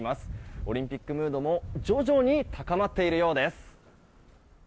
オリンピックムードも徐々に高まっているようです。